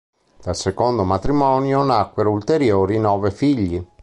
Dal secondo matrimonio nacquero ulteriori nove figli.